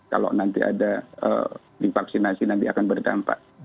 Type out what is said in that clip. kalau nanti ada divaksinasi nanti akan berdampak